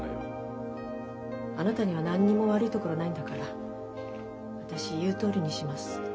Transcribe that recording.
あなたには何にも悪いところないんだから私言うとおりにします。